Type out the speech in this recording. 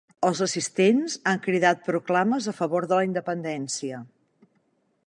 Els assistents han cridat proclames a favor de la independència.